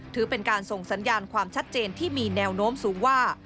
ถือเป็นการส่งสัญญาณความชัดเจนที่มีแนวโน้มสูงว่า